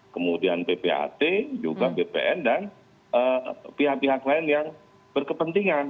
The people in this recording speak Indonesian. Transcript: kemudian ppat juga bpn dan pihak pihak lain yang berkepentingan